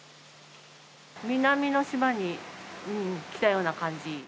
南の島に来たような感じ。